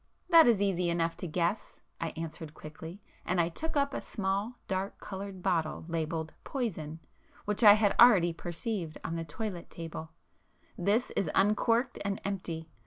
"That is easy enough to guess,"—I answered quickly, and I took up a small dark coloured bottle labelled 'Poison' which I had already perceived on the toilet table—"This is uncorked and empty.